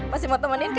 masih mau temenin kan